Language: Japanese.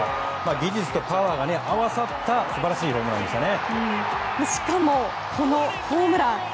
技術とパワーが合わさった素晴らしいホームランでした。